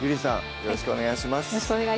よろしくお願いします